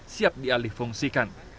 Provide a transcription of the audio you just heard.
siap dialih fungsikan